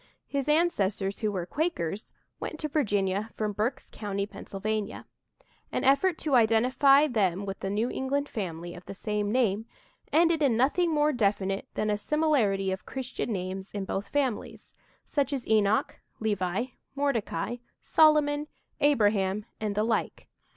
His ancestors, who were Quakers, went to Virginia from Berks County, Pennsylvania. An effort to identify them with the New England family of the same name ended in nothing more definite than a similarity of Christian names in both families, such as Enoch, Levi, Mordecai, Solomon, Abraham, and the like.